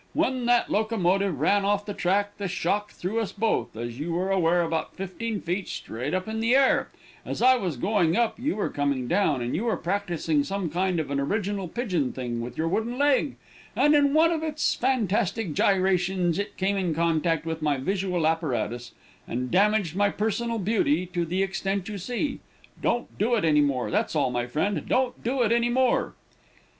When that locomotive ran off the track, the shock threw us both, as you are aware, about fifteen feet straight up in the air as I was going up, you were coming down, and you were practising some kind of an original pigeon wing with your wooden leg, and, in one of its fantastic gyrations, it came in contact with my visual apparatus, and damaged my personal beauty to the extent you see; don't do it any more, that's all, my friend, don't do it any more."